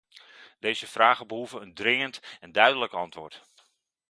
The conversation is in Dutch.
Deze vragen behoeven een dringend en duidelijk antwoord.